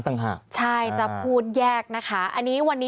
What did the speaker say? ทั้งหลวงผู้ลิ้น